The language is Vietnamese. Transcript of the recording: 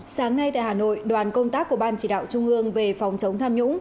sáng nay tại hà nội đoàn công tác của ban chỉ đạo trung ương về phòng chống tham nhũng